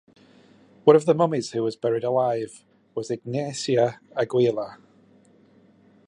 One of the mummies who was buried alive was Ignacia Aguilar.